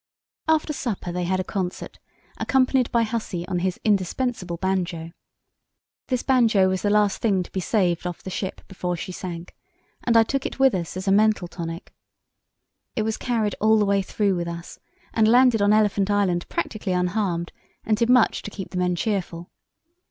After supper they had a concert, accompanied by Hussey on his "indispensable banjo." This banjo was the last thing to be saved off the ship before she sank, and I took it with us as a mental tonic. It was carried all the way through with us, and landed on Elephant Island practically unharmed, and did much to keep the men cheerful.